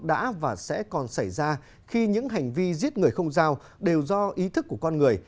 đã và sẽ còn xảy ra khi những hành vi giết người không giao đều do ý thức của con người